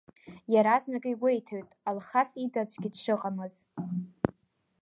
Иаразнак игәеиҭоит Алхас ида аӡәгьы дшыҟамыз.